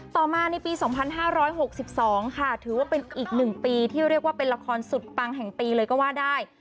ต่อมาในปี๒๕๖๒ค่ะถือว่าเป็นอีก๑ปีที่เรียกว่าเป็นละครสุดปังแห่งปีเลยก็ว่าได้